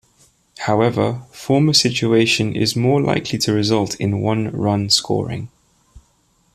However, the former situation is more likely to result in one run scoring.